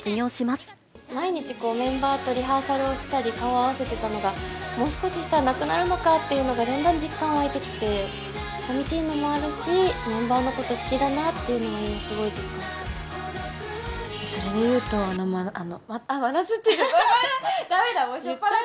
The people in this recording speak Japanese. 毎日メンバーとリハーサルをしたり、顔を合わせてたのが、もう少ししたらなくなるのかっていうのがだんだん実感湧いてきて、さみしいのもあるし、メンバーのこと好きだなっていうのも今、それで言うと、あの、まな、あっ、真夏って言っちゃう。